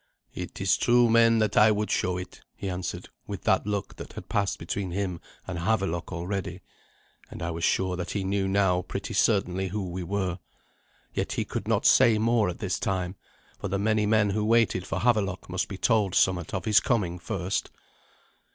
"It is to true men that I would show it," he answered, with that look that had passed between him and Havelok already; and I was sure that he knew now pretty certainly who we were. Yet he could not say more at this time, for the many men who waited for Havelok must be told somewhat of his coming first.